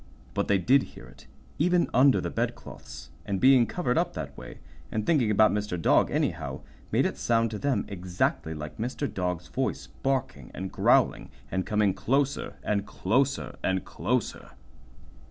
But they did hear it, even under the bedclothes, and being covered up that way, and thinking about Mr. Dog anyhow, made it sound to them exactly like Mr. Dog's voice barking and growling, and coming closer and closer and closer.